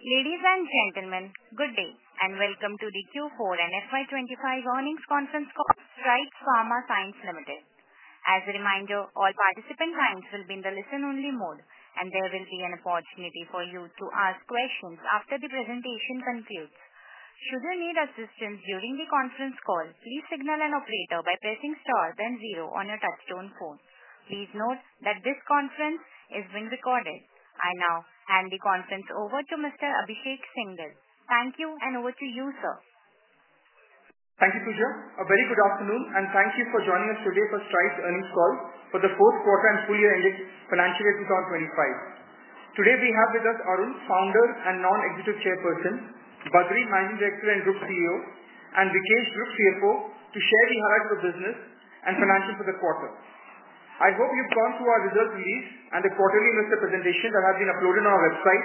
Ladies and gentlemen, good day and welcome to the Q4 and FY25 earnings conference call of Strides Pharma Science Ltd. As a reminder, all participant lines will be in the listen-only mode, and there will be an opportunity for you to ask questions after the presentation concludes. Should you need assistance during the conference call, please signal an operator by pressing star then zero on your touch-tone phone. Please note that this conference is being recorded. I now hand the conference over to Mr. Abhishek Singhal. Thank you, and over to you, sir. Thank you, Pooja. A very good afternoon, and thank you for joining us today for Strides earnings call for the fourth quarter and full year index financial year 2025. Today, we have with us Arun, Founder and Non-Executive Chairperson; Badree, Managing Director and Group CEO; and Venkatesh, Group CFO, to share the hierarchy of business and financial for the quarter. I hope you've gone through our results release and the quarterly investor presentation that has been uploaded on our website,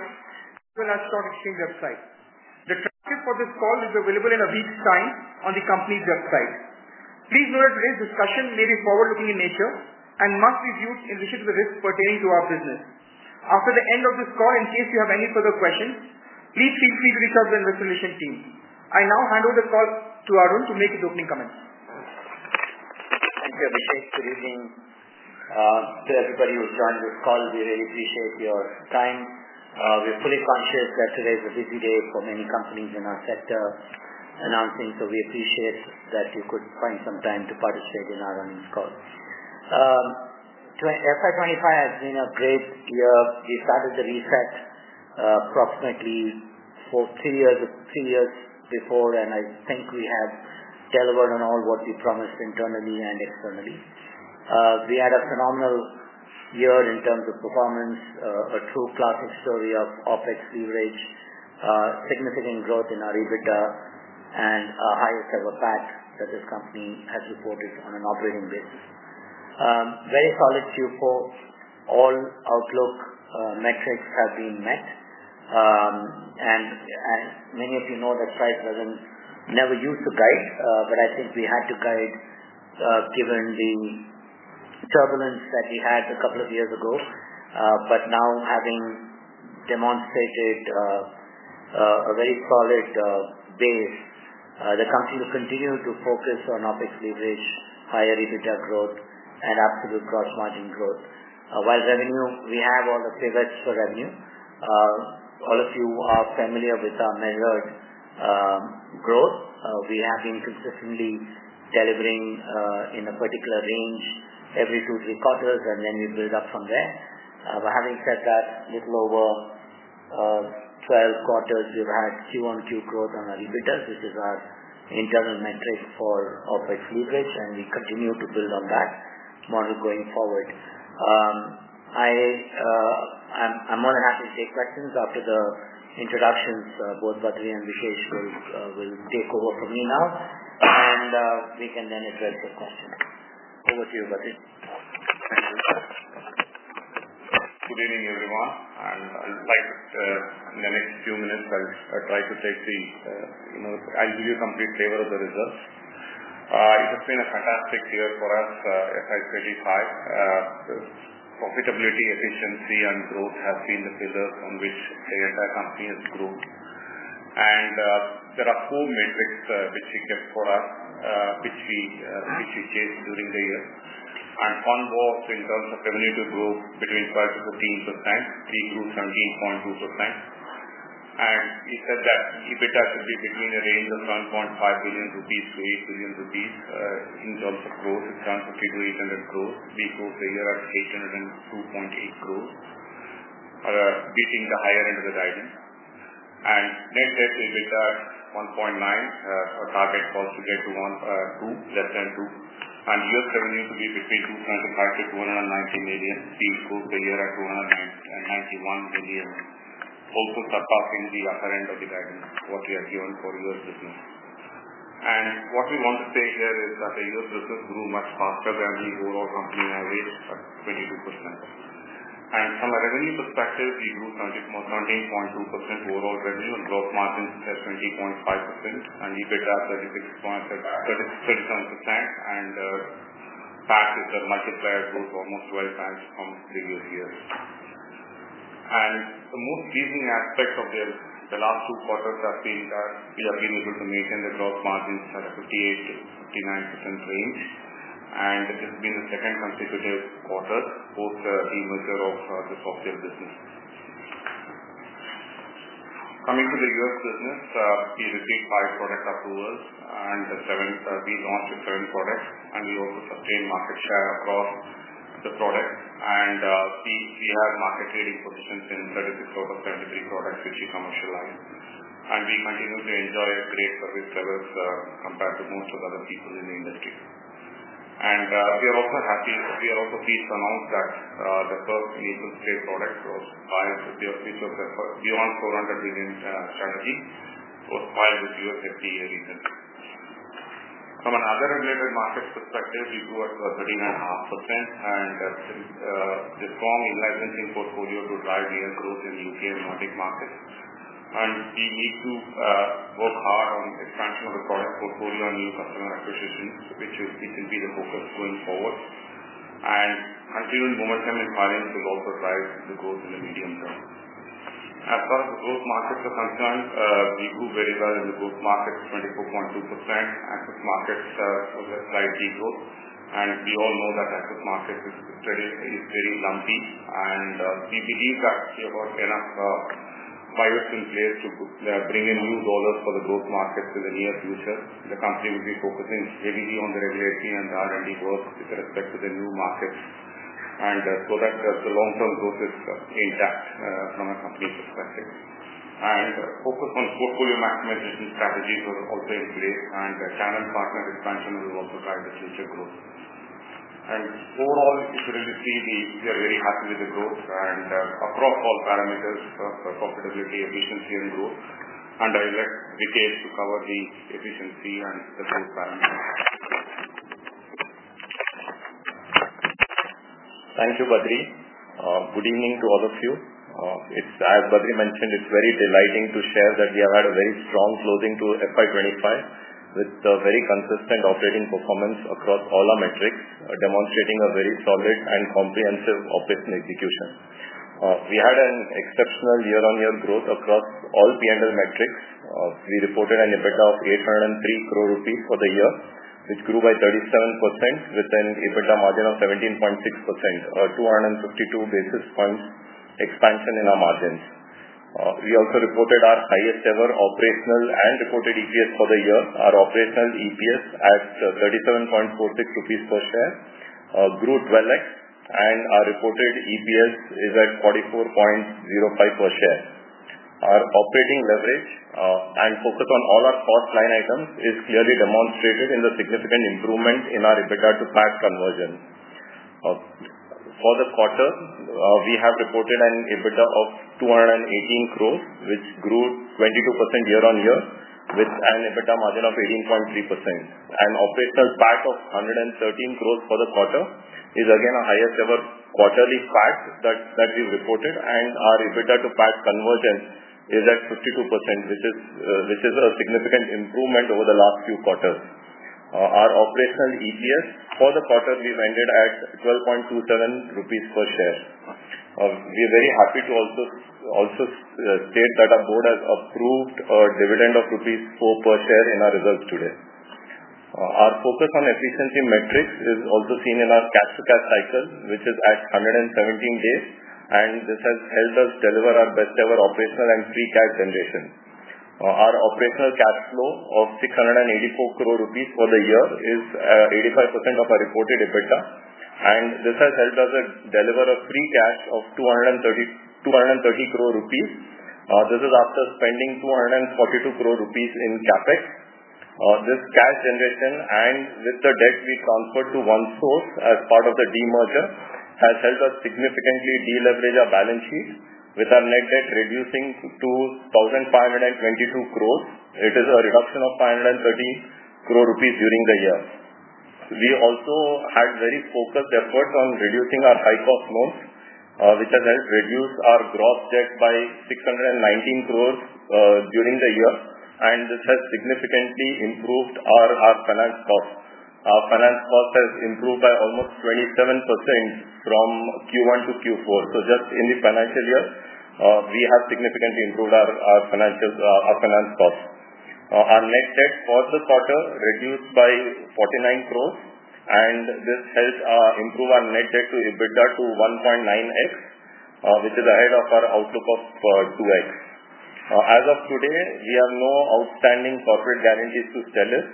as well as the stock exchange website. The transcript for this call will be available in a week's time on the company's website. Please note that today's discussion may be forward-looking in nature and must be viewed in relation to the risks pertaining to our business. After the end of this call, in case you have any further questions, please feel free to reach out to the investor relations team. I now hand over the call to Arun to make his opening comments. Thank you, Abhishek. Good evening to everybody who joined this call. We really appreciate your time. We're fully conscious that today is a busy day for many companies in our sector announcing, so we appreciate that you could find some time to participate in our earnings call. FY25 has been a great year. We started the reset approximately three years before, and I think we have delivered on all what we promised internally and externally. We had a phenomenal year in terms of performance, a true classic story of OPEX leverage, significant growth in our EBITDA, and a higher server pack that this company has reported on an operating basis. Very solid Q4. All outlook metrics have been met. Many of you know that Strides was never used to guide, but I think we had to guide given the turbulence that we had a couple of years ago. Now, having demonstrated a very solid base, the company will continue to focus on OPEX leverage, higher EBITDA growth, and absolute gross margin growth. While revenue, we have all the pivots for revenue. All of you are familiar with our measured growth. We have been consistently delivering in a particular range every two to three quarters, and then we build up from there. Having said that, a little over 12 quarters, we've had Q on Q growth on our EBITDA, which is our internal metric for OPEX leverage, and we continue to build on that model going forward. I'm more than happy to take questions after the introductions. Both Badree and Venkatesh will take over from me now, and we can then address your questions. Over to you, Badree. Thank you. Good evening, everyone. I'd like to, in the next few minutes, I'll try to take the—I'll give you a complete flavor of the results. It has been a fantastic year for us at FY2025. Profitability, efficiency, and growth have been the pillars on which the entire company has grown. There are four metrics which we kept for us, which we chased during the year. On both, in terms of revenue to growth, between 12%-15%, we grew 17.2%. We said that EBITDA should be between a range of 1.5 billion-8 billion rupees in terms of growth, in terms of P2E growth. We grew the year at 802.8 crore, beating the higher end of the guidance. Net debt to EBITDA at 1.9, our target was to get to less than 2. US revenue to be between $230 million-$290 million. We grew the year at $291 million, also surpassing the upper end of the guidance, what we had given for US business. What we want to say here is that the US business grew much faster than the overall company average, at 22%. From a revenue perspective, we grew 13.2% overall revenue, and gross margin is at 20.5%, and EBITDA at 37%. PAC is a multiplier growth, almost 12 times from previous years. The most pleasing aspect of the last two quarters has been that we have been able to maintain the gross margins at a 58%-59% range. This has been the second consecutive quarter, post the merger of the software business. Coming to the US business, we received five product approvals, and we launched seven products. We also sustained market share across the products. We had market trading positions in 36 out of 73 products which we commercialized. We continue to enjoy great service levels compared to most of the other people in the industry. We are also pleased to announce that the first nasal spray product filed with the beyond $400 million strategy was filed with the U.S. FDA recently. From another related market perspective, we grew at 13.5%, and the strong in-licensing portfolio will drive real growth in the U.K. and Nordic markets. We need to work hard on expansion of the product portfolio and new customer acquisitions, which will be the focus going forward. Continued momentum in finance will also drive the growth in the medium term. As far as the growth markets are concerned, we grew very well in the growth markets, 24.2%. Access markets were a slight degrowth. We all know that access markets is very lumpy. We believe that we have got enough bias in place to bring in new dollars for the growth markets in the near future. The company will be focusing heavily on the regulatory and the R&D growth with respect to the new markets, so that the long-term growth is intact from a company perspective. Focus on portfolio maximization strategies was also in place, and channel partner expansion will also drive the future growth. Overall, if you really see, we are very happy with the growth across all parameters: profitability, efficiency, and growth. I'll let Venkatesh cover the efficiency and the growth parameters. Thank you, Badree. Good evening to all of you. As Badree mentioned, it's very delighting to share that we have had a very strong closing to FY25 with very consistent operating performance across all our metrics, demonstrating a very solid and comprehensive operational execution. We had an exceptional year-on-year growth across all P&L metrics. We reported an EBITDA of 803 crore rupees for the year, which grew by 37%, with an EBITDA margin of 17.6%, a 252 basis points expansion in our margins. We also reported our highest-ever operational and reported EPS for the year. Our operational EPS at 37.46 rupees per share grew 12x, and our reported EPS is at INR 44.05 per share. Our operating leverage and focus on all our cost line items is clearly demonstrated in the significant improvement in our EBITDA to PAC conversion. For the quarter, we have reported an EBITDA of 218 crore, which grew 22% year-on-year, with an EBITDA margin of 18.3%. Operational PAC of 113 crore for the quarter is again a highest-ever quarterly PAC that we've reported, and our EBITDA to PAC conversion is at 52%, which is a significant improvement over the last few quarters. Our operational EPS for the quarter we've ended at 12.27 rupees per share. We're very happy to also state that our board has approved a dividend of rupees 4 per share in our results today. Our focus on efficiency metrics is also seen in our cash-to-cash cycle, which is at 117 days, and this has helped us deliver our best-ever operational and free cash generation. Our operational cash flow of 684 crore rupees for the year is 85% of our reported EBITDA, and this has helped us deliver a free cash of 230 crore rupees. This is after spending 242 crore rupees in CapEx. This cash generation, and with the debt we transferred to OneSource as part of the demerger, has helped us significantly deleverage our balance sheet, with our net debt reducing to 1,522 crore. It is a reduction of 513 crore rupees during the year. We also had very focused efforts on reducing our high-cost loans, which has helped reduce our gross debt by 619 crore during the year, and this has significantly improved our finance costs. Our finance costs have improved by almost 27% from Q1 to Q4. Just in the financial year, we have significantly improved our finance costs. Our net debt for the quarter reduced by 49 crore, and this helped improve our net debt to EBITDA to 1.9x, which is ahead of our outlook of 2x. As of today, we have no outstanding corporate guarantees to sell it.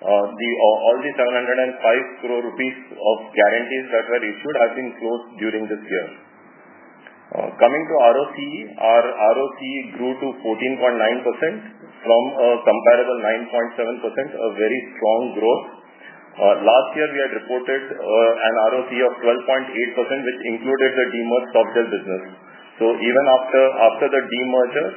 All the INR 705 crore of guarantees that were issued have been closed during this year. Coming to ROCE, our ROCE grew to 14.9% from a comparable 9.7%, a very strong growth. Last year, we had reported an ROCE of 12.8%, which included the demerged software business. Even after the demerger,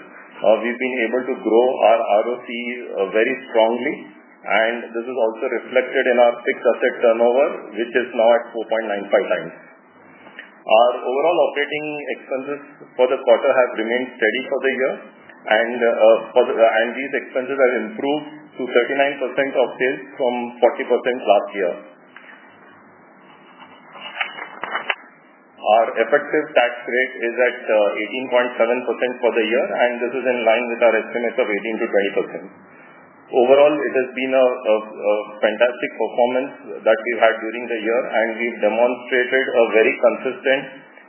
we've been able to grow our ROCE very strongly, and this is also reflected in our fixed asset turnover, which is now at 4.95 times. Our overall operating expenses for the quarter have remained steady for the year, and these expenses have improved to 39% of sales from 40% last year. Our effective tax rate is at 18.7% for the year, and this is in line with our estimates of 18%-20%. Overall, it has been a fantastic performance that we've had during the year, and we've demonstrated a very consistent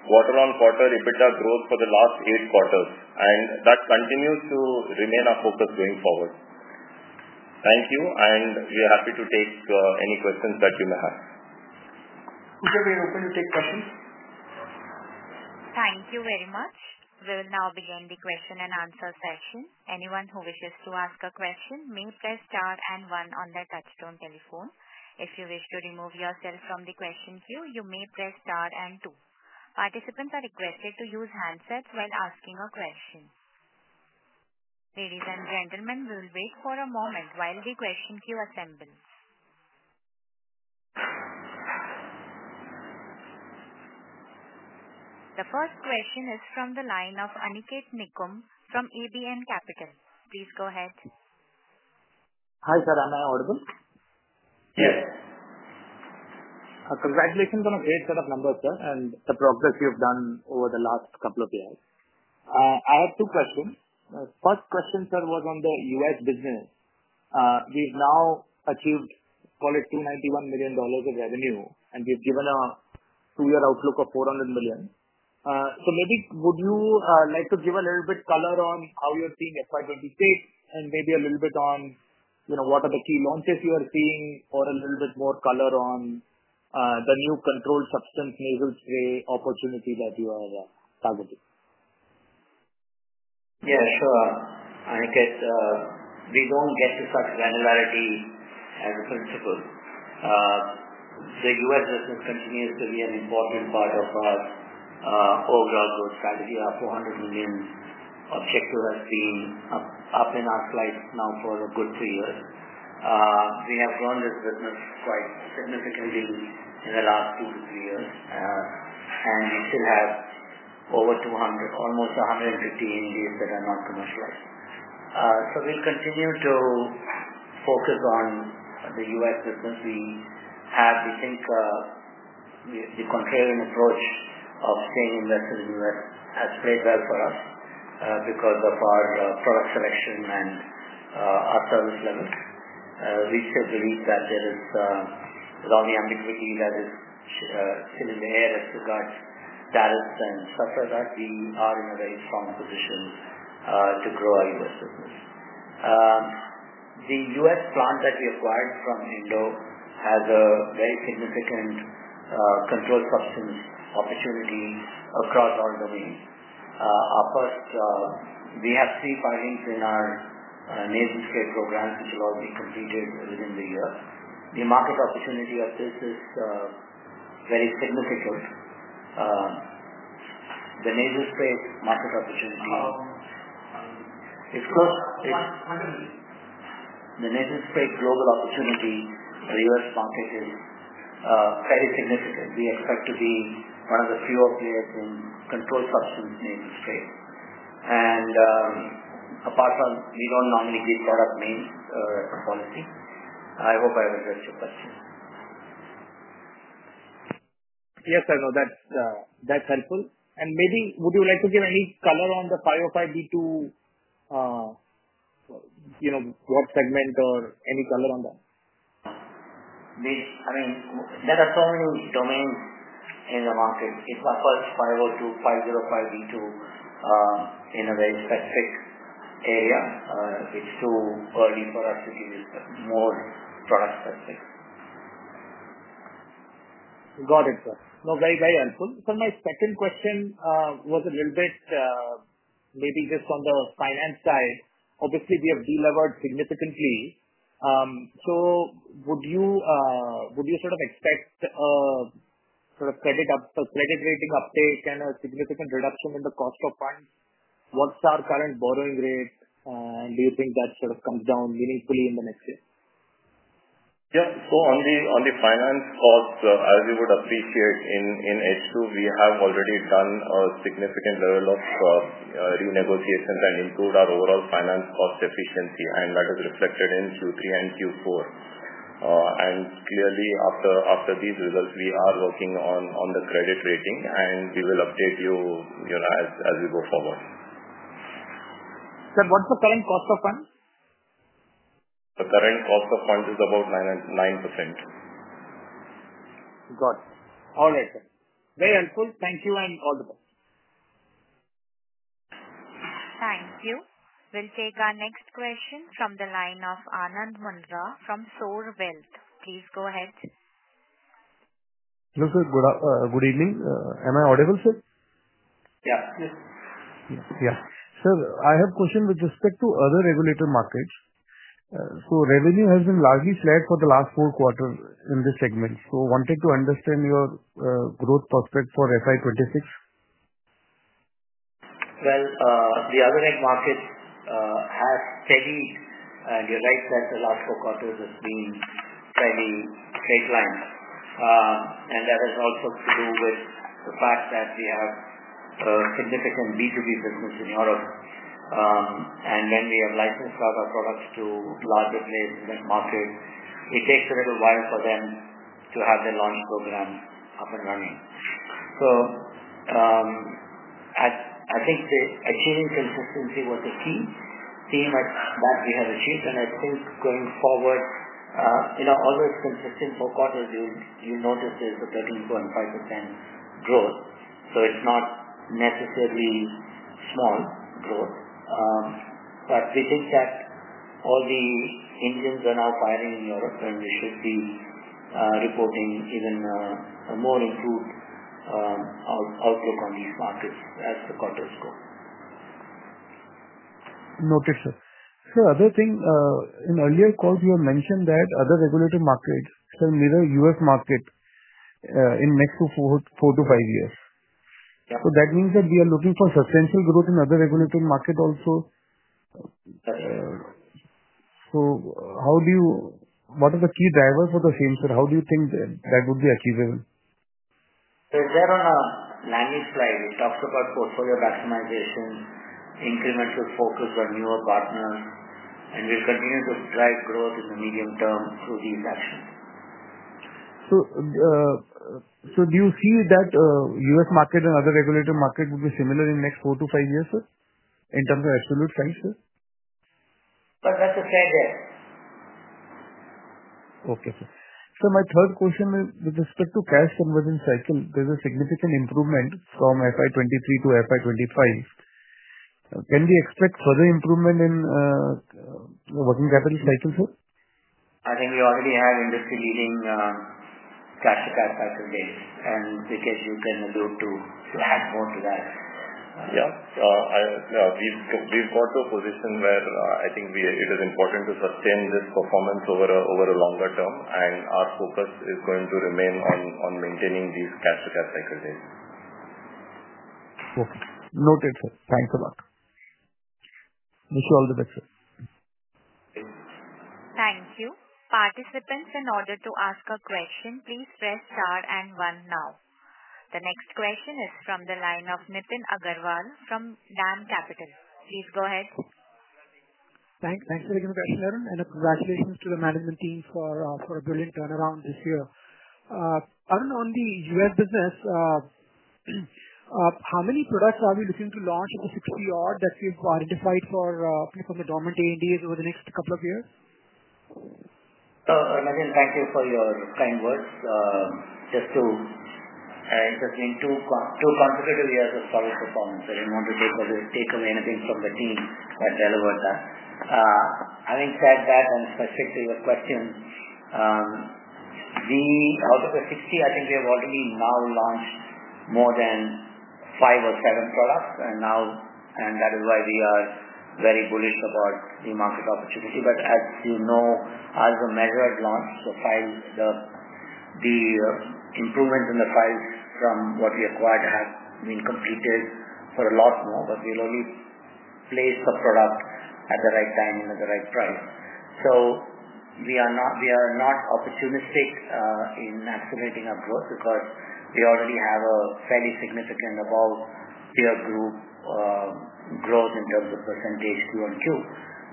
quarter-on-quarter EBITDA growth for the last eight quarters, and that continues to remain our focus going forward. Thank you, and we are happy to take any questions that you may have. Would you be open to take questions? Thank you very much. We will now begin the question and answer session. Anyone who wishes to ask a question may press star and one on their touchstone telephone. If you wish to remove yourself from the question queue, you may press star and two. Participants are requested to use handsets while asking a question. Ladies and gentlemen, we will wait for a moment while the question queue assembles. The first question is from the line of Aniket Nikum from ABN Capital. Please go ahead. Hi sir, am I audible? Yes. Congratulations on a great set of numbers, sir, and the progress you've done over the last couple of years. I had two questions. First question, sir, was on the US business. We've now achieved, call it, $291 million of revenue, and we've given a two-year outlook of 400 million. Maybe would you like to give a little bit of color on how you're seeing FY 2026, and maybe a little bit on what are the key launches you are seeing, or a little bit more color on the new controlled substance nasal spray opportunity that you are targeting? Yeah, sure. Aniket, we do not get to such granularity as a principle. The US business continues to be an important part of our overall growth strategy. Our 400 million objective has been up in our sights now for a good three years. We have grown this business quite significantly in the last two to three years, and we still have over almost 150 ANDAs that are not commercialized. We will continue to focus on the US business we have. We think the contrarian approach of staying invested in the US has played well for us because of our product selection and our service levels. We still believe that there is, with all the ambiguity that is still in the air as regards tariffs and stuff like that, we are in a very strong position to grow our US business. The US plant that we acquired from Endo has a very significant controlled substance opportunity across all domains. We have three filings in our nasal spray program, which will all be completed within the year. The market opportunity of this is very significant. The nasal spray market opportunity is close. The nasal spray global opportunity for the US market is very significant. We expect to be one of the fewer players in controlled substance nasal spray. Apart from, we don't normally give product names or policy. I hope I've addressed your question. Yes, I know that's helpful. Maybe would you like to give any color on the 505(b)(2), what segment or any color on that? I mean, there are so many domains in the market. It buffers 502, 505(b)(2) in a very specific area. It's too early for us to give you more product specifics. Got it, sir. No, very helpful. My second question was a little bit maybe just on the finance side. Obviously, we have delivered significantly. Would you sort of expect sort of credit rating uptake and a significant reduction in the cost of funds? What's our current borrowing rate, and do you think that sort of comes down meaningfully in the next year? Yeah. On the finance costs, as you would appreciate, in H2, we have already done a significant level of renegotiations and improved our overall finance cost efficiency, and that is reflected in Q3 and Q4. Clearly, after these results, we are working on the credit rating, and we will update you as we go forward. Sir, what's the current cost of funds? The current cost of funds is about 9%. Good. All right, sir. Very helpful. Thank you and all the best. Thank you. We'll take our next question from the line of Anand Mundra from SOAR Wealth. Please go ahead. Hello, sir. Good evening. Am I audible, sir? Yeah. Yeah. Sir, I have a question with respect to other regulatory markets. Revenue has been largely flat for the last four quarters in this segment. I wanted to understand your growth prospect for FY26. The other head markets have steadied, and you're right that the last four quarters has been fairly straight line. That has also to do with the fact that we have significant B2B business in Europe. When we have licensed our products to larger places and markets, it takes a little while for them to have their launch program up and running. I think achieving consistency was the key theme that we have achieved, and I think going forward, although it's consistent for quarters, you'll notice there's a 32.5% growth. It's not necessarily small growth. We think that all the engines are now firing in Europe, and we should be reporting even a more improved outlook on these markets as the quarters go. Noted, sir. Sir, other thing, in earlier calls, you have mentioned that other regulatory markets will mirror US market in next four to five years. That means that we are looking for substantial growth in other regulatory markets also. What are the key drivers for the same, sir? How do you think that would be achievable? There on our landing slide, it talks about portfolio maximization, incremental focus on newer partners, and we'll continue to drive growth in the medium term through these actions. Do you see that US market and other regulatory markets will be similar in the next four to five years, sir, in terms of absolute size, sir? That's a fair guess. Okay, sir. Sir, my third question is with respect to cash conversion cycle. There's a significant improvement from FY 2023 to FY 2025. Can we expect further improvement in the working capital cycle, sir? I think we already have industry-leading cash-to-cash cycle data, and in case you can allude to add more to that. Yeah. We've got to a position where I think it is important to sustain this performance over a longer term, and our focus is going to remain on maintaining these cash-to-cash cycle data. Okay. Noted, sir. Thanks a lot. Wish you all the best, sir. Thank you. Participants, in order to ask a question, please press star and one now. The next question is from the line of Nitin Agarwal from Dam Capital. Please go ahead. Thanks for the introduction, Arun, and congratulations to the management team for a brilliant turnaround this year. Arun, on the US business, how many products are we looking to launch in the 60 odd that we've identified from the dormant ANDAs over the next couple of years? Thank you for your kind words. Just to say, it has been two consecutive years of solid performance. I did not want to take away anything from the team that delivered that. Having said that, and specific to your question, out of the 60, I think we have already now launched more than five or seven products, and that is why we are very bullish about the market opportunity. As you know, as a measured launch, the improvements in the files from what we acquired have been completed for a lot more, but we will only place the product at the right time and at the right price. We are not opportunistic in accelerating our growth because we already have a fairly significant above peer group growth in terms of percentage Q on Q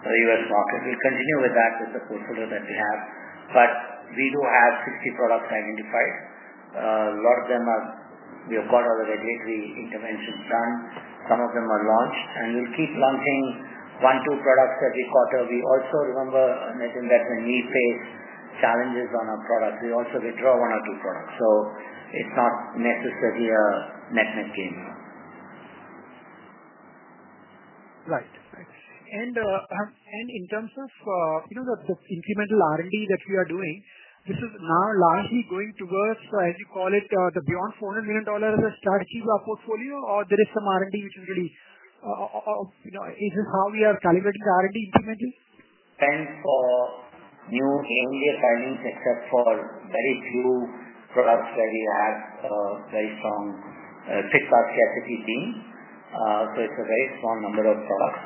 for the US market. We will continue with that with the portfolio that we have. We do have 60 products identified. A lot of them have got other regulatory interventions done. Some of them are launched, and we'll keep launching one or two products every quarter. We also remember, Anandin, that when we face challenges on our products, we also withdraw one or two products. It is not necessarily a neck-and-neck game now. Right. In terms of the incremental R&D that we are doing, this is now largely going towards, as you call it, the beyond $400 million as a strategy of our portfolio, or there is some R&D which is really is this how we are calibrating the R&D incrementally? Spend for new ANDA filings except for very few products where we have very strong fixed cost capacity team. So it's a very small number of products.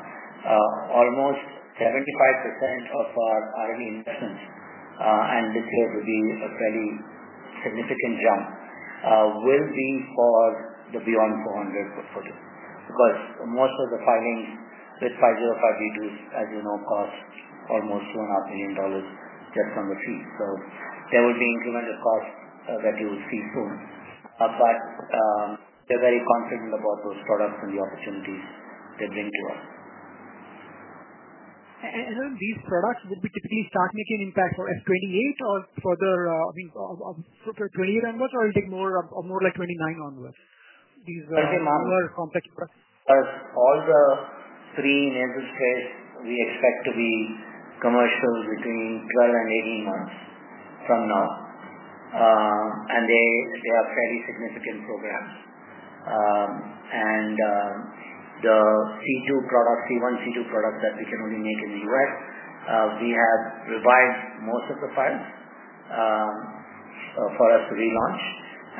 Almost 75% of our R&D investments, and this year will be a fairly significant jump, will be for the beyond 400 portfolio because most of the filings with 505(b)(2)s, as you know, cost almost $2.5 million just on the fee. So there will be incremental costs that you will see soon. But we're very confident about those products and the opportunities they bring to us. These products would be typically start making an impact for 2028 or further, I mean, for 2028 onwards, or will it take more like 2029 onwards? These longer complex products? For all the three nasal sprays, we expect to be commercial between 12 and 18 months from now. They are fairly significant programs. The C1, C2 products that we can only make in the US, we have revised most of the files for us to relaunch,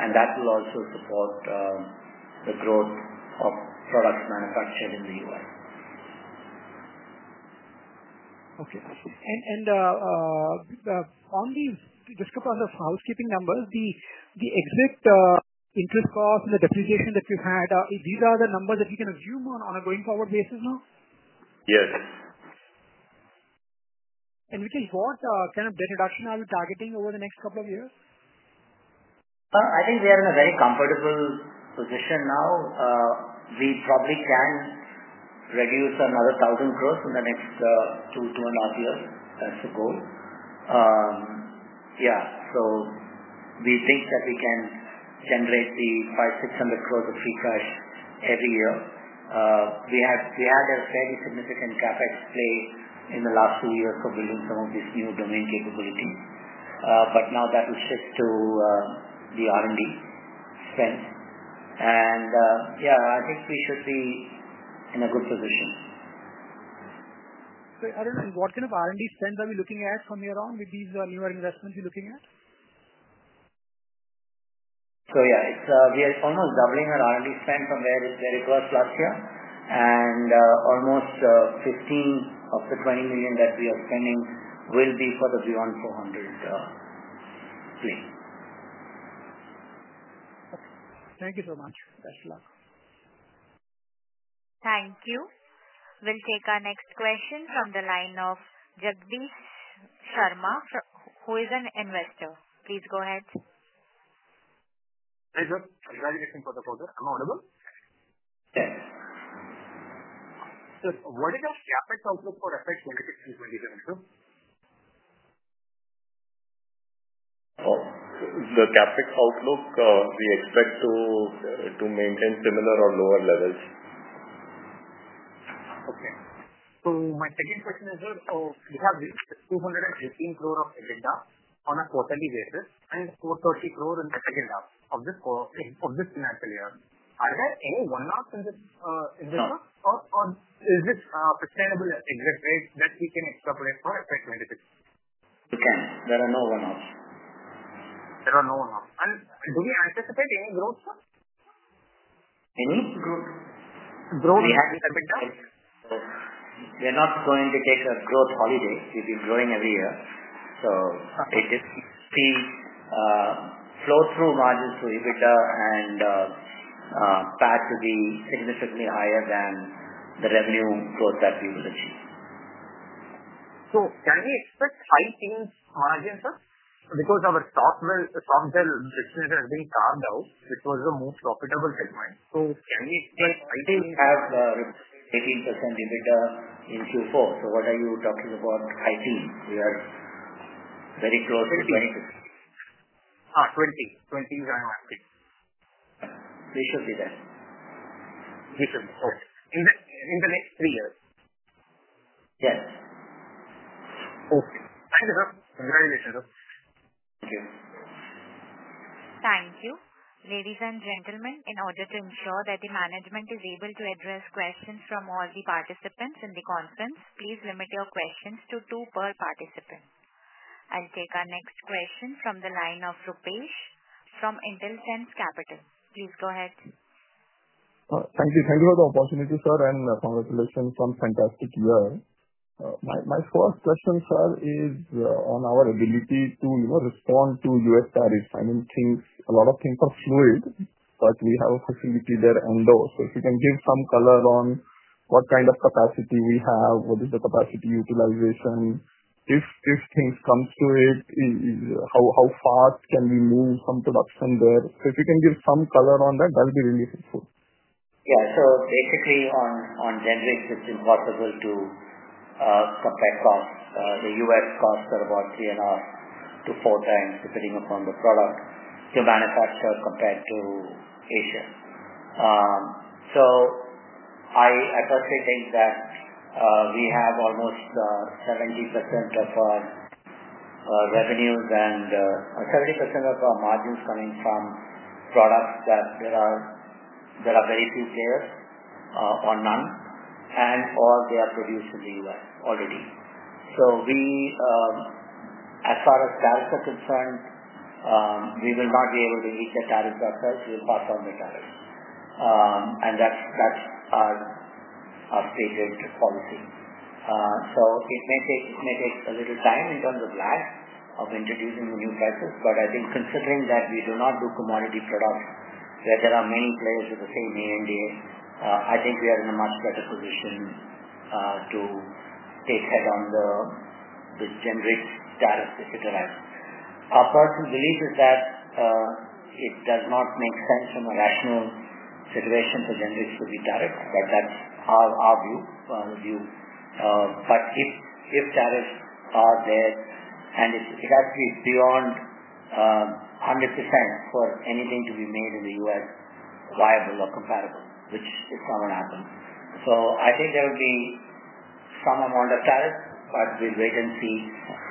and that will also support the growth of products manufactured in the US. Okay. On these descriptors of housekeeping numbers, the exit interest costs and the depreciation that you've had, these are the numbers that you can assume on a going forward basis now? Yes. What kind of reduction are you targeting over the next couple of years? I think we are in a very comfortable position now. We probably can reduce another 1,000 crore in the next two to two and a half years. That's the goal. Yeah. We think that we can generate the 5,600 crore of free cash every year. We had a fairly significant CapEx play in the last two years for building some of these new domain capabilities, but now that will shift to the R&D spend. Yeah, I think we should be in a good position. Arun, what kind of R&D spend are we looking at from here on with these newer investments we're looking at? Yeah, we are almost doubling our R&D spend from where it was last year, and almost $15 million of the $20 million that we are spending will be for the beyond 400 play. Okay. Thank you so much. Best of luck. Thank you. We'll take our next question from the line of Jagdish Sharma, who is an investor. Please go ahead. Hi, sir. Congratulations for the call, sir. Am I audible? Yes. Sir, what is your CapEx outlook for FY26 in 2022? The CapEx outlook, we expect to maintain similar or lower levels. Okay. So my second question is, sir, we have this 215 crore of EBITDA on a quarterly basis and 430 crore in the second half of this financial year. Are there any one-offs in this? No. Or is this sustainable exit rate that we can extrapolate for FY26? We can. There are no one-offs. There are no one-offs. Do we anticipate any growth, sir? Any? Growth. Growth. We had with EBITDA. We're not going to take a growth holiday. We've been growing every year. If we see flow-through margins to EBITDA and PAT to be significantly higher than the revenue growth that we will achieve. Can we expect high teens margins, sir? Because our stockpile business has been carved out, which was the most profitable segment. Can we expect high teens? We have 18% EBITDA in Q4. What are you talking about? High team. We are very close to 20%. 20. 20. 20 is our market. We should be there. We should be okay in the next three years. Yes. Okay. Thank you, sir. Congratulations, sir. Thank you. Thank you. Ladies and gentlemen, in order to ensure that the management is able to address questions from all the participants in the conference, please limit your questions to two per participant. I'll take our next question from the line of Rupesh from Intelsense Capital. Please go ahead. Thank you. Thank you for the opportunity, sir, and congratulations on a fantastic year. My first question, sir, is on our ability to respond to U.S. tariffs. I mean, a lot of things are fluid, but we have a facility there in Endo. If you can give some color on what kind of capacity we have, what is the capacity utilization, if things come to it, how fast can we move some production there? If you can give some color on that, that'll be really helpful. Yeah. So basically, on generics, it's impossible to compare costs. The US costs are about three and a half to four times, depending upon the product, to manufacture compared to Asia. I personally think that we have almost 70% of our revenues and 70% of our margins coming from products that there are very few players or none, and/or they are produced in the US already. As far as tariffs are concerned, we will not be able to meet the tariffs ourselves. We'll pass on the tariffs. That's our stated policy. It may take a little time in terms of lag of introducing the new prices, but I think considering that we do not do commodity products where there are many players with the same ANDA, I think we are in a much better position to take head on the generic tariffs if it arrives. Our personal belief is that it does not make sense from a rational situation for generics to be tariffed, but that's our view, our view. If tariffs are there and it has to be beyond 100% for anything to be made in the US viable or comparable, which is not going to happen. I think there will be some amount of tariff, but we'll wait and see.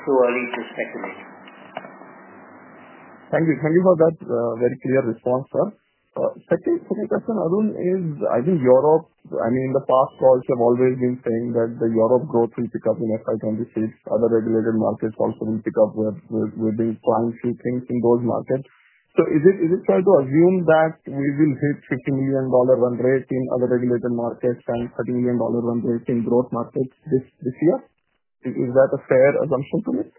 Too early to speculate. Thank you. Thank you for that very clear response, sir. Second question, Arun, is I think Europe, I mean, in the past, calls have always been saying that the Europe growth will pick up in FY2026. Other regulated markets also will pick up. We've been trying to think in those markets. Is it fair to assume that we will hit $50 million run rate in other regulated markets and $30 million run rate in growth markets this year? Is that a fair assumption to make?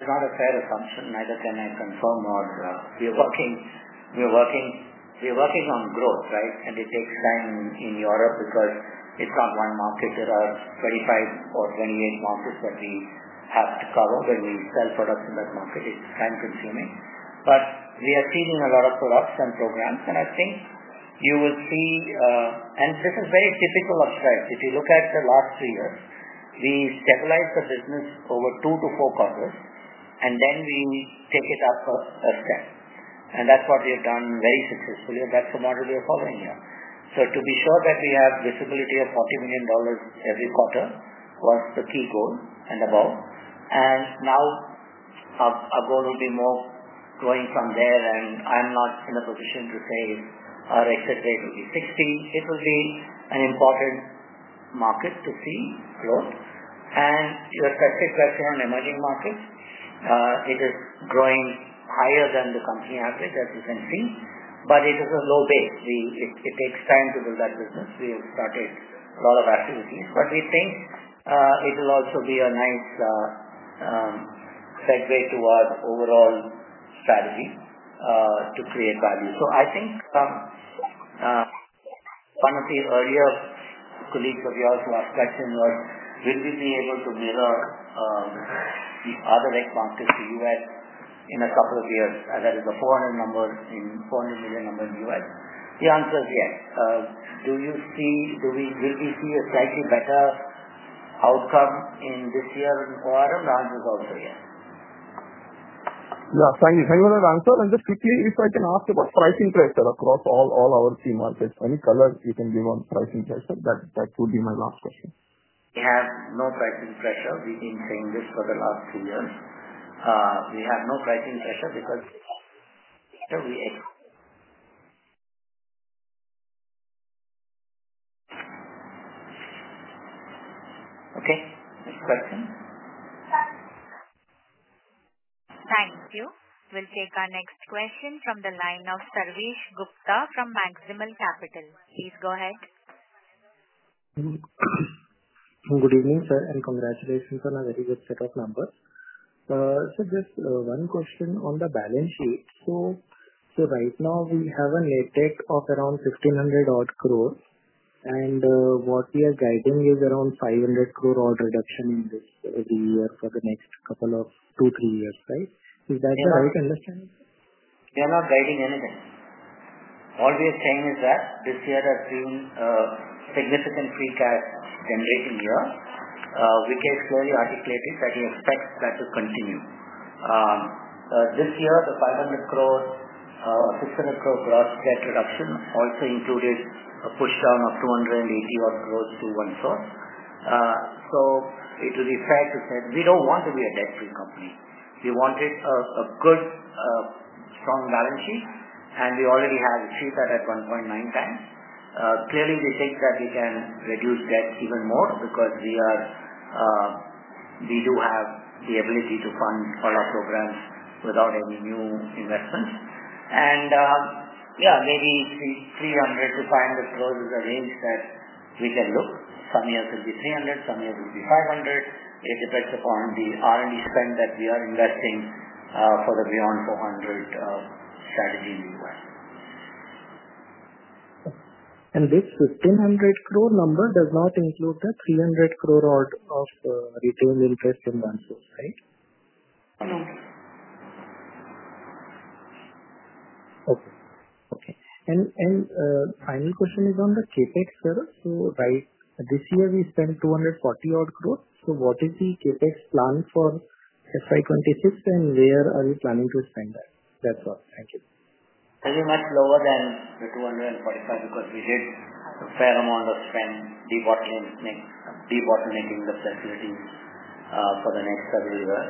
Not a fair assumption. Neither can I confirm or we're working on growth, right? It takes time in Europe because it's not one market. There are 25 or 28 markets that we have to cover when we sell products in that market. It's time-consuming. We are seeing a lot of products and programs, and I think you will see, and this is very typical of Strides. If you look at the last three years, we stabilized the business over two to four quarters, and then we take it up a step. That's what we have done very successfully. That's the model we are following here. To be sure that we have visibility of $40 million every quarter was the key goal and above. Our goal will be more growing from there, and I'm not in a position to say our exit rate will be 60. It will be an important market to see growth. To your specific question on emerging markets, it is growing higher than the company average, as you can see, but it is a low base. It takes time to build that business. We have started a lot of activities, but we think it will also be a nice segue towards overall strategy to create value. I think one of the earlier colleagues of yours who asked questions was, "Will we be able to mirror the other EC markets, the US, in a couple of years?" That is the $400 million number in the US. The answer is yes. Do you see will we see a slightly better outcome in this year or around? The answer is also yes. Yeah. Thank you. Thank you for that answer. Just quickly, if I can ask about pricing pressure across all our key markets, any color you can give on pricing pressure? That would be my last question. We have no pricing pressure. We've been saying this for the last three years. We have no pricing pressure because we exit. Okay. Next question. Thank you. We'll take our next question from the line of Sarvesh Gupta from Maximal Capital. Please go ahead. Good evening, sir, and congratulations on a very good set of numbers. Just one question on the balance sheet. Right now, we have a net debt of around 1,500 crore, and what we are guiding is around 500 crore reduction in this year for the next couple of two, three years, right? Is that the right understanding? We are not guiding anything. All we are saying is that this year has been a significant free cash generating year. We can clearly articulate it that we expect that to continue. This year, the 500 crore-600 crore gross debt reduction also included a push down of 280 odd crore to one fourth. It will be fair to say we do not want to be a debt-free company. We wanted a good, strong balance sheet, and we already have achieved that at 1.9 times. Clearly, we think that we can reduce debt even more because we do have the ability to fund all our programs without any new investments. Yeah, maybe 300 crore-500 crore is a range that we can look. Some years it will be 300 crore. Some years it will be 500 crore. It depends upon the R&D spend that we are investing for the beyond $400 million strategy in the US. This 1,500 crore number does not include the 300 crore odd of retained interest in OneSource, right? No. Okay. Okay. And final question is on the CapEx, sir. This year we spent 240 crore. What is the CapEx plan for FY26, and where are you planning to spend that? That's all. Thank you. Very much lower than the 245 because we did a fair amount of spend debottling the facilities for the next several years.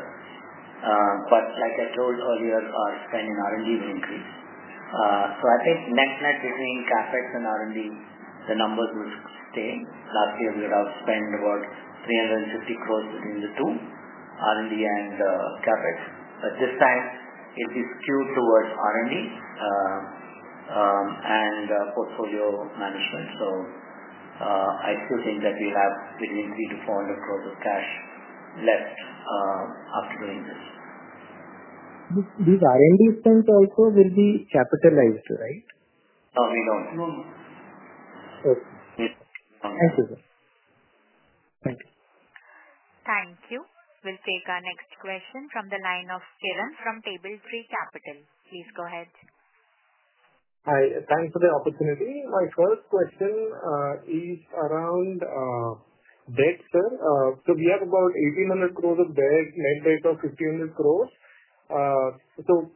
Like I told earlier, our spend in R&D will increase. I think net-net between CapEx and R&D, the numbers will stay. Last year, we would have spent about 350 crore between the two, R&D and CapEx. This time, it will be skewed towards R&D and portfolio management. I still think that we'll have between 300-400 crore of cash left after doing this. These R&D spends also will be capitalized, right? No, we don't. Okay. Thank you, sir. Thank you. Thank you. We'll take our next question from the line of Kiran from Table Tree Capital. Please go ahead. Hi. Thanks for the opportunity. My first question is around debt, sir. We have about 1,800 crore of debt, net debt of 1,500 crore.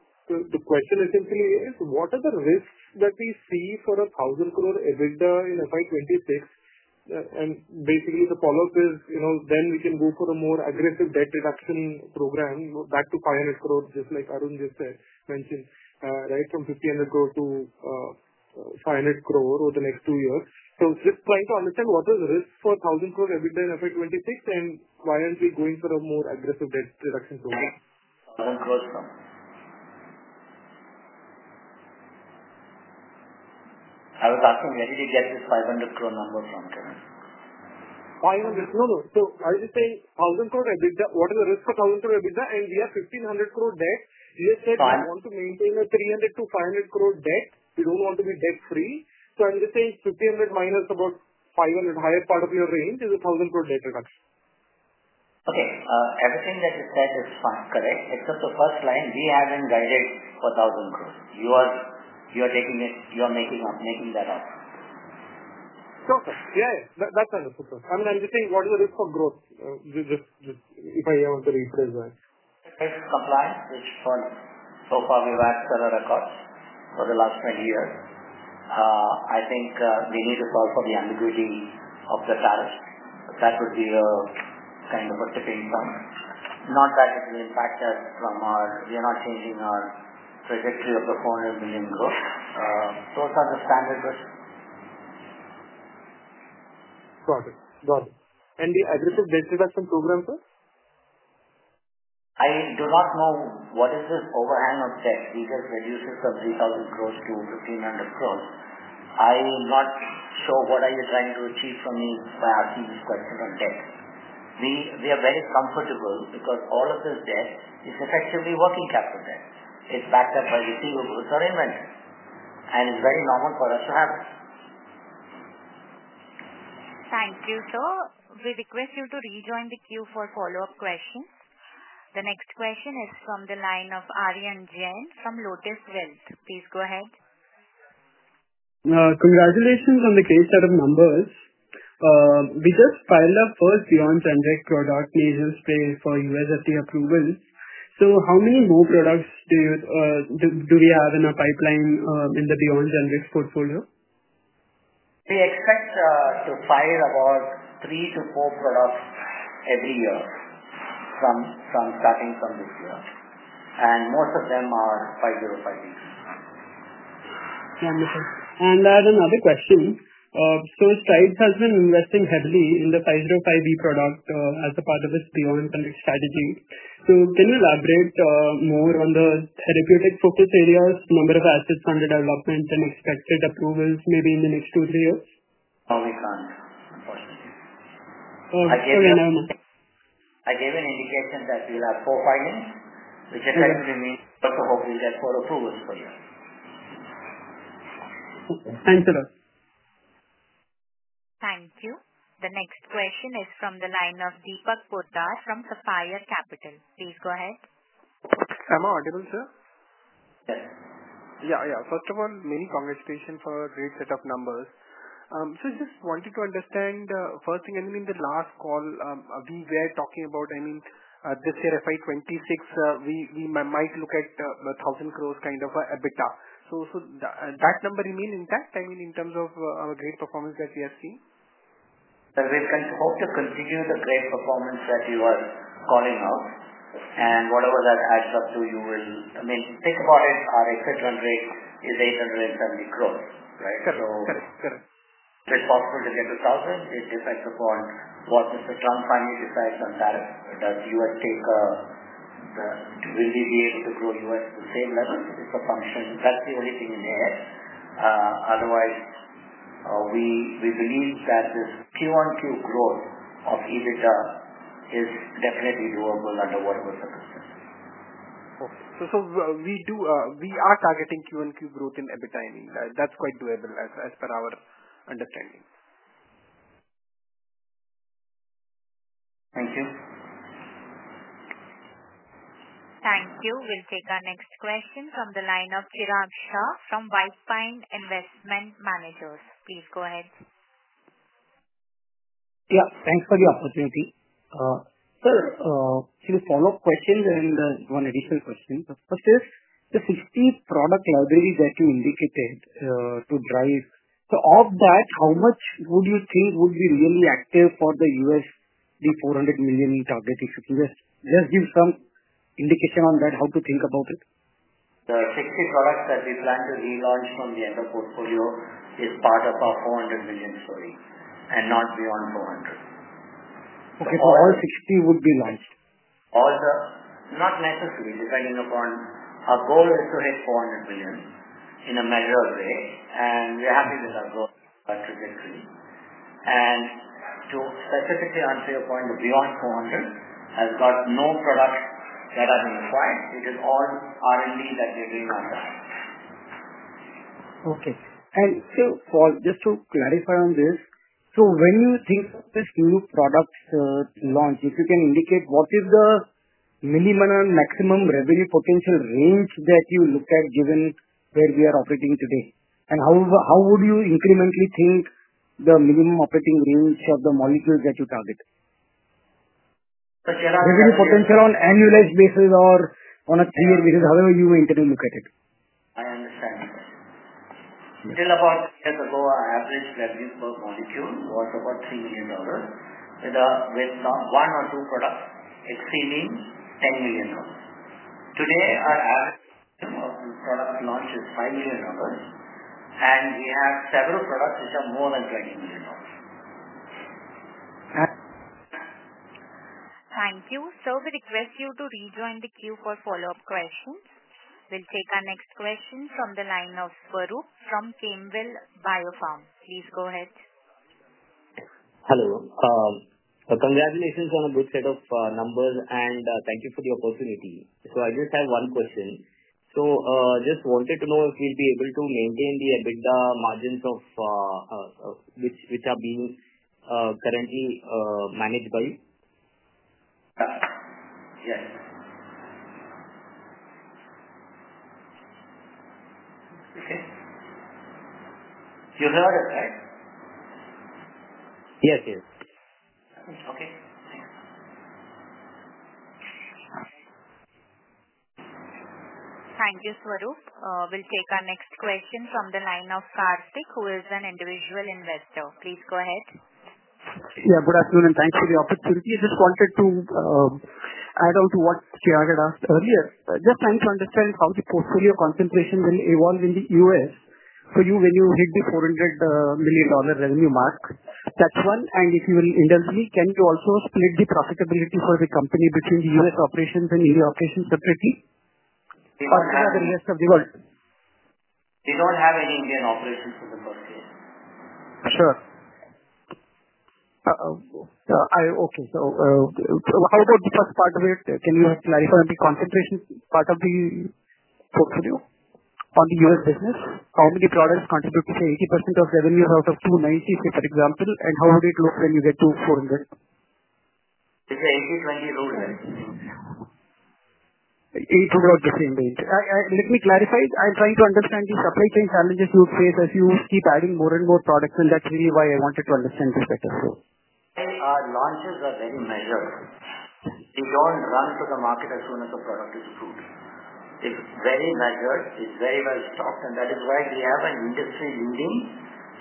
The question essentially is, what are the risks that we see for 1,000 crore EBITDA in FY 2026? Basically, the follow-up is, can we go for a more aggressive debt reduction program back to 500 crore, just like Arun just mentioned, right, from 1,500 crore to 500 crore over the next two years. I am just trying to understand what are the risks for 1,000 crore EBITDA in FY 2026, and why are we not going for a more aggressive debt reduction program? INR 1,000 crore from? I was asking where did you get this 500 crore number from, Kiran? 500? No, no. I'm just saying 1,000 crore EBITDA, what are the risks for 1,000 crore EBITDA? We have 1,500 crore debt. You just said you want to maintain a 300 crore-500 crore debt. We don't want to be debt-free. I'm just saying 1,500 crore minus about 500 crore, higher part of your range is a 1,000 crore debt reduction. Okay. Everything that you said is correct, except the first line. We have not guided for 1,000 crore. You are taking it. You are making that up. No, sir. Yeah, yeah. That's understood, sir. I mean, I'm just saying what are the risks for growth? Just if I want to rephrase that. Compliance, which so far we've had several records for the last 20 years. I think we need to solve for the ambiguity of the tariffs. That would be kind of a tipping point. Not that it will impact us from our we are not changing our trajectory of the $400 million growth. Those are the standard risks. Got it. Got it. The aggressive debt reduction program, sir? I do not know what is this overhang of debt. We just reduced it from INR 3,000 crore to 1,500 crore. I am not sure what are you trying to achieve from me by asking this question on debt. We are very comfortable because all of this debt is effectively working capital debt. It's backed up by receivables or inventory. It is very normal for us to have it. Thank you, sir. We request you to rejoin the queue for follow-up questions. The next question is from the line of Arian Jain from Lotus Wealth. Please go ahead. Congratulations on the great set of numbers. We just filed our first beyond generic product measures for US FDA approval. How many more products do we have in our pipeline in the beyond generics portfolio? We expect to file about three to four products every year starting from this year. Most of them are 505(b)(2). Wonderful. I had another question. Strides has been investing heavily in the 505(b)(2) product as a part of its beyond generics strategy. Can you elaborate more on the therapeutic focus areas, number of assets under development, and expected approvals maybe in the next two to three years? No, we can't, unfortunately. I gave an indication that we'll have four filings, which effectively means we also hope we'll get four approvals for a year. Thanks, sir. Thank you. The next question is from the line of Deepak Bhutthar from Sapphire Capital. Please go ahead. Am I audible, sir? Yes. Yeah, yeah. First of all, many congratulations for a great set of numbers. Just wanted to understand, first thing, I mean, in the last call, we were talking about, I mean, this year FY26, we might look at the 1,000 crore kind of EBITDA. That number remain intact, I mean, in terms of our great performance that we have seen? We hope to continue the great performance that you are calling out. Whatever that adds up to, you will, I mean, think about it, our exit run rate is 870 crore, right? Correct. Correct. If it's possible to get to 1,000, it depends upon what Mr. Trump finally decides on tariff. Does the US take a will we be able to grow US to the same level? It's a function. That's the only thing in the air. Otherwise, we believe that this Q1Q growth of EBITDA is definitely doable under whatever circumstances. Okay. So we are targeting Q1Q growth in EBITDA. I mean, that's quite doable as per our understanding. Thank you. Thank you. We'll take our next question from the line of Chirag Shah from White Pine Investment Managers. Please go ahead. Yeah. Thanks for the opportunity. Sir, a few follow-up questions and one additional question. The first is, the 60 product libraries that you indicated to drive. Of that, how much would you think would be really active for the US, the $400 million target? If you can just give some indication on that, how to think about it? The 60 products that we plan to relaunch from the endo portfolio is part of our $400 million story, and not beyond $400 million. Okay. So all 60 would be launched? Not necessary. Depending upon our goal is to hit $400 million in a measured way. We are happy with our goal trajectory. To specifically answer your point, the beyond $400 million has got no products that are being acquired. It is all R&D that we are doing on that. Okay. Just to clarify on this, when you think of this new product launch, if you can indicate what is the minimum and maximum revenue potential range that you look at given where we are operating today? How would you incrementally think the minimum operating range of the molecules that you target? But Chiragh. Revenue potential on annualized basis or on a three-year basis, however you maintain and look at it? I understand the question. Until about three years ago, our average revenue per molecule was about $3 million. With one or two products, it's seeming $10 million. Today, our average revenue of product launch is $5 million. We have several products which are more than $20 million. Thank you. So we request you to rejoin the queue for follow-up questions. We'll take our next question from the line of Swarup from Kimwell BioPharm. Please go ahead. Hello. Congratulations on a good set of numbers, and thank you for the opportunity. I just have one question. I just wanted to know if we'll be able to maintain the EBITDA margins which are being currently managed by you. Yes. Okay. You heard us, right? Yes, yes. Okay. Thanks. Thank you, Swarup. We'll take our next question from the line of Karthik, who is an individual investor. Please go ahead. Yeah, good afternoon, and thanks for the opportunity. I just wanted to add on to what Chiragh had asked earlier. Just trying to understand how the portfolio concentration will evolve in the US for you when you hit the $400 million revenue mark. That's one. And if you will indulge me, can you also split the profitability for the company between the US operations and India operations separately? We don't have any Indian operations for the first year. Sure. Okay. How about the first part of it? Can you clarify on the concentration part of the portfolio on the US business? How many products contribute to, say, 80% of revenues out of 290, say, for example? How would it look when you get to 400? It's an 80/20 rule, right? It would not be the same. Let me clarify. I'm trying to understand the supply chain challenges you face as you keep adding more and more products. That's really why I wanted to understand this better, sir. Our launches are very measured. We do not run to the market as soon as the product is approved. It is very measured. It is very well stocked. That is why we have an industry-leading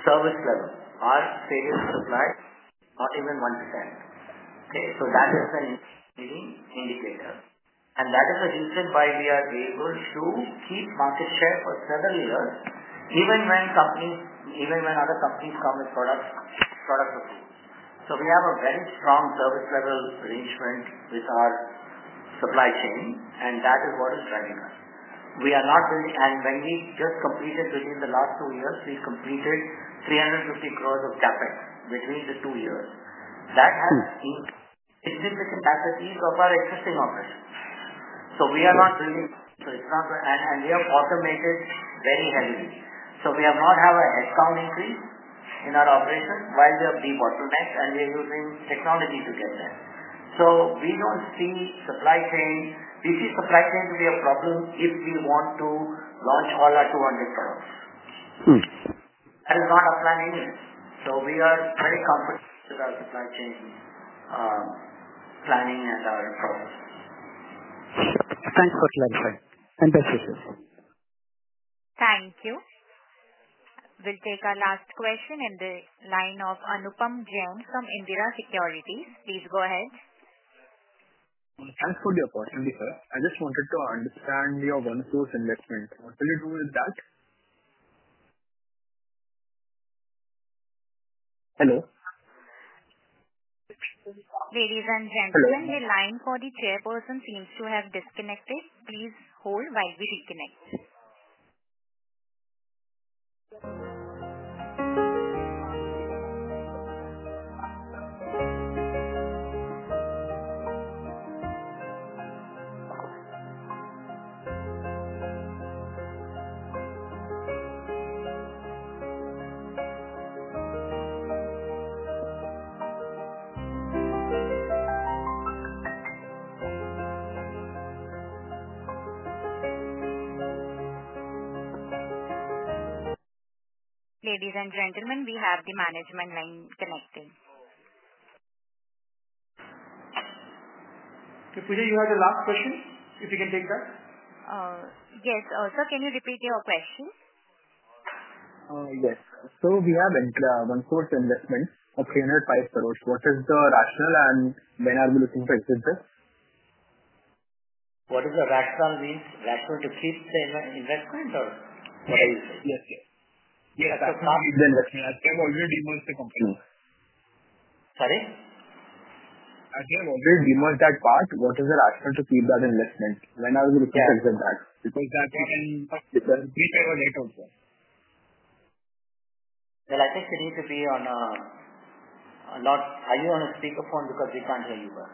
service level. Our failures are applied, not even 1%. Okay? That is an industry-leading indicator. That is the reason why we are able to keep market share for several years, even when other companies come with product approved. We have a very strong service level arrangement with our supply chain, and that is what is driving us. We are not building, and when we just completed within the last two years, we completed 350 crore of CapEx between the two years. That has significant assets eased off our existing operations. We are not building much. We have automated very heavily. We have not had a headcount increase in our operation while we have de-bottlenecked, and we are using technology to get there. We do not see supply chain to be a problem if we want to launch all our 200 products. That is not our plan anyway. We are very comfortable with our supply chain planning and our processes. Thanks for clarifying. Best wishes. Thank you. We'll take our last question in the line of Anupam Jain from Indira Securities. Please go ahead. Thanks for the opportunity, sir. I just wanted to understand your OneSource investment. What will you do with that? Hello. Ladies and gentlemen, the line for the chairperson seems to have disconnected. Please hold while we reconnect. Ladies and gentlemen, we have the management line connected. Puja, you had the last question, if you can take that. Yes. Also, can you repeat your question? Yes. So we have OneSource investment of 305 crore. What is the rationale and when are we looking to exit this? What does the rationale mean? Rationale to keep the investment or what are you saying? Yes, yes. Yes, to keep the investment. I have already demolished the company. Sorry? I have already demolished that part. What is the rationale to keep that investment? When are we looking to exit that? Because that we can repay our debt also. I think you need to be on a lot. Are you on a speakerphone? Because we can't hear you well.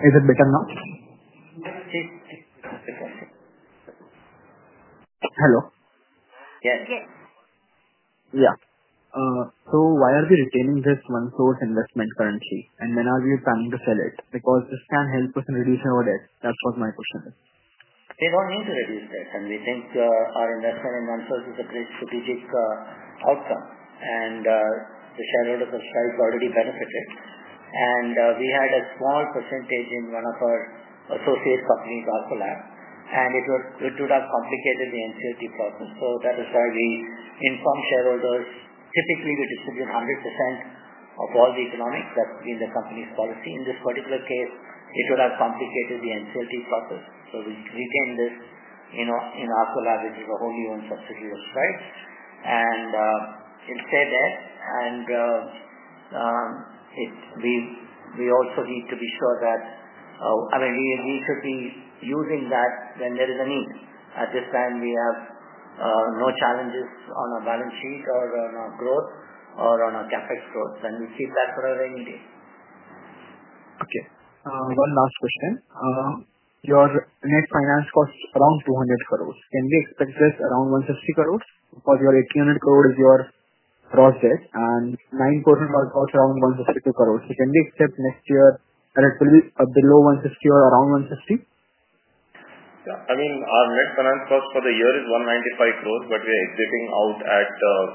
Is it better now? Hello? Yes. Yes. Yeah. So why are we retaining this OneSource investment currently? And when are we planning to sell it? Because this can help us in reducing our debt. That was my question. We don't need to reduce debt. We think our investment in OneSource is a great strategic outcome. The shareholders of Strides already benefited. We had a small percentage in one of our associate companies, AlphaLab. It would have complicated the NCLT process. That is why we inform shareholders. Typically, we distribute 100% of all the economics. That's been the company's policy. In this particular case, it would have complicated the NCLT process. We retained this in AlphaLab, which is a wholly owned subsidiary of Strides. It stayed there. We also need to be sure that, I mean, we should be using that when there is a need. At this time, we have no challenges on our balance sheet or on our growth or on our CapEx growth. We keep that for our revenue date. Okay. One last question. Your net finance costs around 200 crore. Can we expect this around 150 crore? Because your 1,800 crore is your gross debt. And 9% of our costs around 152 crore. Can we expect next year that it will be below 150 crore or around 150 crore? Yeah. I mean, our net finance cost for the year is 195 crore, but we are exiting out at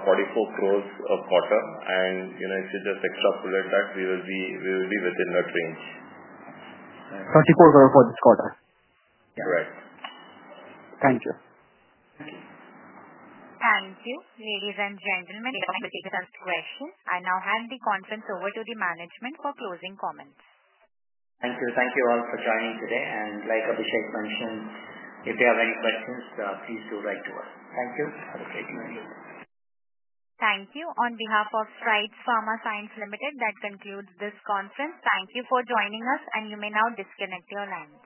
44 crore a quarter. If you just extrapolate that, we will be within that range. 24 crore for this quarter. Correct. Thank you. Thank you. Thank you. Ladies and gentlemen, we have completed our questions. I now hand the conference over to the management for closing comments. Thank you. Thank you all for joining today. Like Abhishek mentioned, if you have any questions, please do write to us. Thank you. Have a great evening. Thank you. On behalf of Strides Pharma Science Ltd, that concludes this conference. Thank you for joining us, and you may now disconnect your lines.